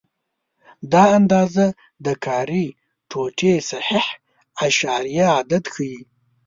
دا اندازه د کاري ټوټې صحیح اعشاریه عدد ښيي.